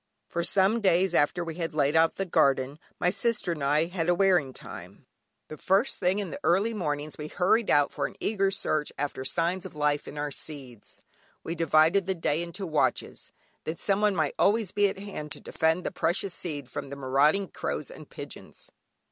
For some days after we had laid out the garden, my sister and I had a wearing time. The first thing in the early mornings we hurried out for an eager search after signs of life in our seeds. We divided the day into watches, that someone might always be at hand to defend the precious seed from the marauding crows and pigeons.